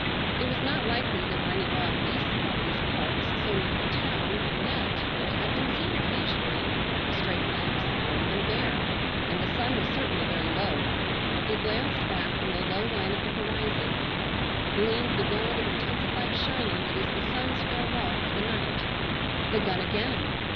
It was not likely there were any wild beasts about these parts, so near the town and yet, they had been seen occasionally,—a stray fox, or even a bear,—and the sun was certainly very low. He glanced back, and the low line of the horizon gleamed the gold of intensified shining that is the sun's farewell for the night. The gun again!